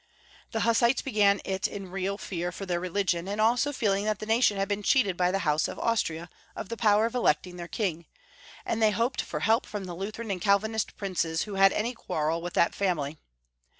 The Hussites began it in real fear for their religion, and also feeling that the nation had been cheated by the House of Austria of the power of electing their king, and they hoped for help from the Lutheran and Cal vinist princes who had any quarrel with that family.